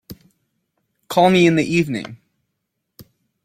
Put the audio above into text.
Call me in the evening.